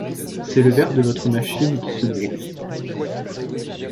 C’est le verre de votre machine qui se brouille.